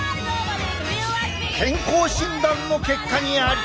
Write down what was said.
健康診断の結果にあり！